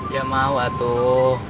ya mau atuh